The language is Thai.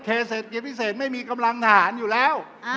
เศรษฐกิจพิเศษไม่มีกำลังทหารอยู่แล้ว